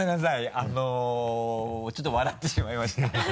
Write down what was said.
あのちょっと笑ってしまいました。